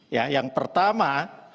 ya yang pertama